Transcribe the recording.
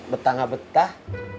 betah gak betah